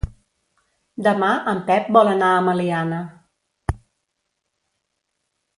Demà en Pep vol anar a Meliana.